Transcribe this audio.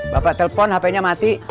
bapak telpon hp mati